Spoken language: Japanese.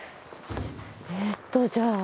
えーっとじゃあ。